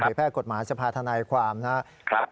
ผลิตแพทย์กฎหมายชภาทนายความนะครับ